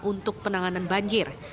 untuk penanganan banjir